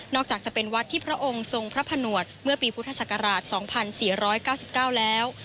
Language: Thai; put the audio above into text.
จากจะเป็นวัดที่พระองค์ทรงพระผนวดเมื่อปีพุทธศักราช๒๔๙๙แล้ว